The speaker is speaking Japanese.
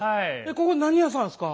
ここ何屋さんですか？